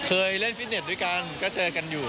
เคยเล่นฟิตเน็ตด้วยกันก็เจอกันอยู่